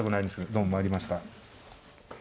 どうも参りました。